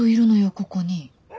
ここに。